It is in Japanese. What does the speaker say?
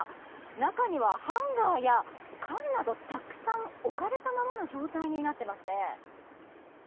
中にはハンガーや缶などたくさん置かれたままの状態になっていますね。